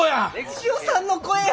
千代さんの声や！